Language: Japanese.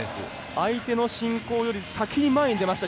相手の進行より先に前に出ました。